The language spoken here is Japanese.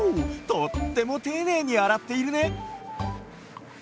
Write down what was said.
とってもていねいにあらっているね！